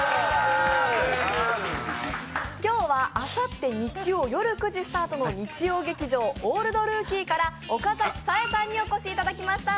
今日はあさって日曜夜９時スタートの日曜劇場「オールドルーキー」から岡崎紗絵さんにお越しいただきました。